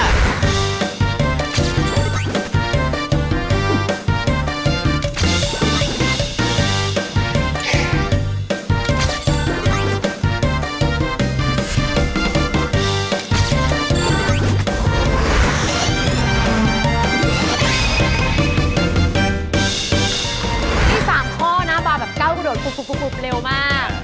นี่๓ข้อนะบาร์แบบก้าวกระโดดปุ๊บเร็วมาก